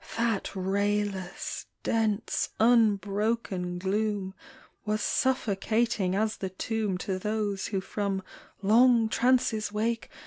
That rayless, dense, unbroken gloom Was suffocating as the tomb To those who from long trances wake.